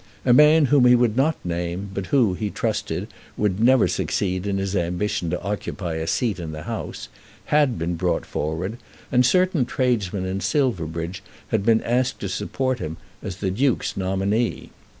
A man whom he would not name, but who, he trusted, would never succeed in his ambition to occupy a seat in that House, had been brought forward, and certain tradesmen in Silverbridge had been asked to support him as the Duke's nominee.